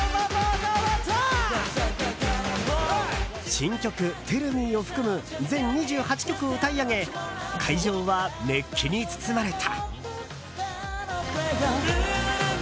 新曲「ＴｅｌｌＭｅ」を含む全２８曲を歌い上げ会場は熱気に包まれた。